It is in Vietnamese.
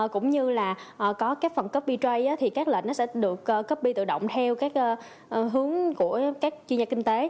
cũng như là có phần copy trade thì các lệnh sẽ được copy tự động theo hướng của các chuyên gia kinh tế